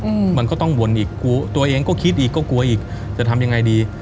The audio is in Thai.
อืมมันก็ต้องวนอีกกลัวตัวเองก็คิดอีกก็กลัวอีกจะทำยังไงดี